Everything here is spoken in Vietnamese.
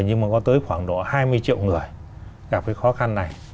nhưng mà có tới khoảng độ hai mươi triệu người gặp cái khó khăn này